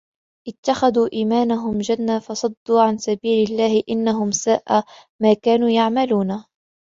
اتخذوا أيمانهم جنة فصدوا عن سبيل الله إنهم ساء ما كانوا يعملون